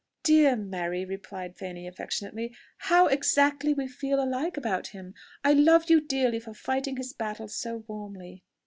"Dear Mary!" replied Fanny affectionately, "how exactly we feel alike about him! I love you dearly for fighting his battles so warmly."